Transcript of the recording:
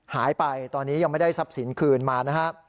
หายไปตอนนี้ยังไม่ได้ทรัพย์สินคืนมานะฮะ